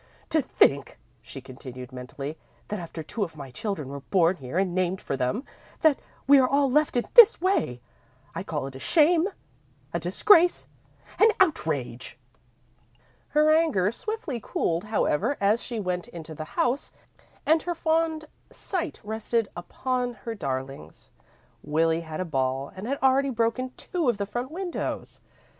"To think," she continued, mentally, "that after two of my children were born here and named for them, that we are left in this way! I call it a shame, a disgrace, an outrage!" Her anger swiftly cooled, however, as she went into the house, and her fond sight rested upon her darlings. Willie had a ball and had already broken two of the front windows.